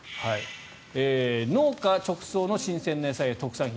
農家直送の新鮮な野菜や特産品。